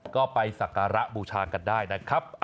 ก็ไปสักการะบูชากันได้นะครับ